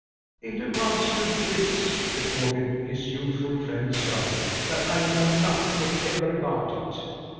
"It amounts to this:" retorted his youthful friend, stoutly, "that I know nothing whatever about it.